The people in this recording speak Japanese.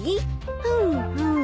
ふんふん。